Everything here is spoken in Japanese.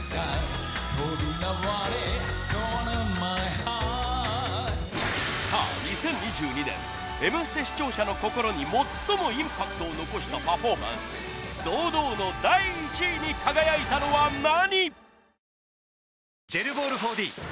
「飛びまわれこのＭｙＨｅａｒｔ」さあ２０２２年『Ｍステ』視聴者の心に最もインパクトを残したパフォーマンス堂々の第１位に輝いたのは何？